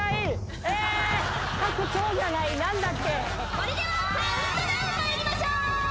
それではカウントダウン参りましょう。